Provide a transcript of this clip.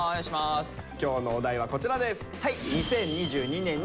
今日のお題はこちらです。